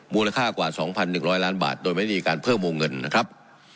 มูลค่ากว่าสองพันหนึ่งร้อยล้านบาทโดยไม่ได้มีการเพิ่มมูลเงินนะครับ